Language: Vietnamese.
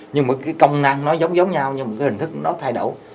nhưng mà cái công năng nó giống giống nhau nhưng mà cái hình thức nó thay đổi